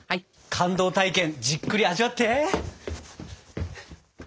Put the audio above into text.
感動体験じっくり味わって！